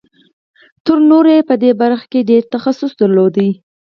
تر نورو یې په دې برخه کې ډېر تخصص درلود